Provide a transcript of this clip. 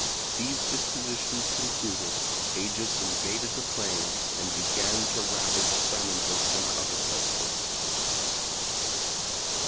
These dispositions concluded, Agis invaded the plain and began to ravage Saminthus and other places.